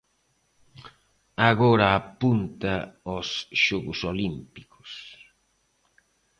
Agora apunta aos xogos olímpicos.